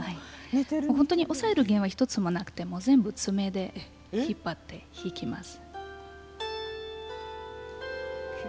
本当に押さえる弦は１つもなくて全部、爪で引っ張っていきます。